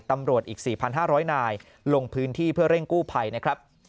ตำรวจอีก๔๕๐๐นายลงพื้นที่เพื่อเร่งกู้ภัยนะครับ